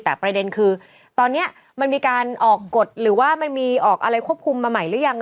แต่ประเด็นคือตอนนี้มันมีการออกกฎหรือว่ามันมีออกอะไรควบคุมมาใหม่หรือยัง